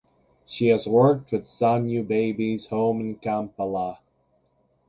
She has worked with Sanyu babies home in Kampala.